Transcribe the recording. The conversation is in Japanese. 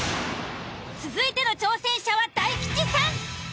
続いての挑戦者は大吉さん。